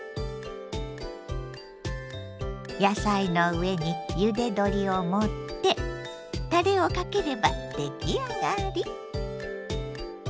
野菜の上にゆで鶏を盛ってたれをかければ出来上がり！